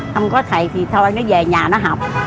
không có thầy thì thôi nó về nhà nó học